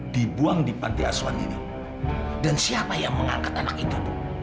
dibuang di panti asuhan ini dan siapa yang mengangkat anak itu